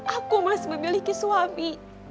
aku masih memiliki suami